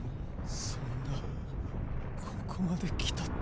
そんなここまで来たってのに。